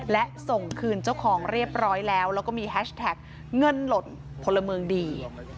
และส่งคืนเจ้าของเรียบร้อยแล้วแล้วก็มีแฮชแท็กเงินหล่นพลเมืองดี